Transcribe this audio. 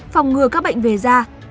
phòng ngừa các bệnh về da